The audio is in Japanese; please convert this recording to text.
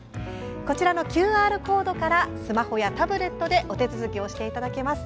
こちらのＱＲコードからスマホやタブレットでお手続きをしていただけます。